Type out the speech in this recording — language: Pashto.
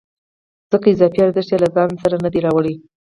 ځکه اضافي ارزښت یې له ځان سره نه دی راوړی